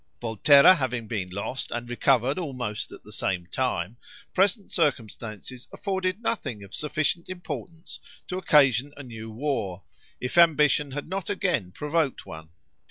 Volterra having been lost and recovered almost at the same time, present circumstances afforded nothing of sufficient importance to occasion a new war, if ambition had not again provoked one.